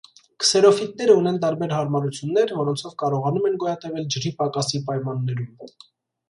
Քսերոֆիտները ունեն տարբեր հարմարություններ, որոնցով կարողանում են գոյատևել ջրի պակասի պայմաններում։